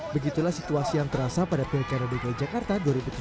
begitulah situasi yang terasa pada pilkada dki jakarta dua ribu tujuh belas